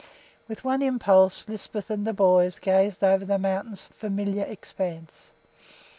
With one impulse Lisbeth and the boys gazed over the mountain's familiar expanse.